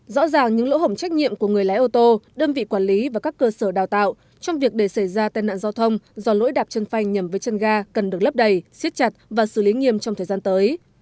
rõ ràng những lỗ hổng trách nhiệm của người lái ô tô đơn vị quản lý và các cơ sở đào tạo trong việc để xảy ra tai nạn giao thông do lỗi đạp chân phanh nhầm với chân ga cần được lấp đầy xiết chặt và xử lý nghiêm trong thời gian tới